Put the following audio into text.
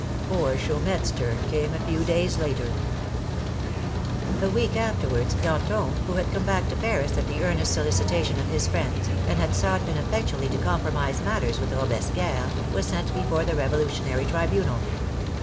Poor Chaumette's turn came a few days later. A week afterwards Danton, who had come back to Paris at the earnest solicitation of his friends, and had sought ineffectually to compromise matters with Robes pierre, was sent before the revolutionary tribunal.